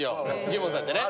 ジモンさんってね。